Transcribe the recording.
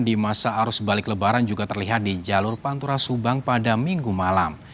di masa arus balik lebaran juga terlihat di jalur pantura subang pada minggu malam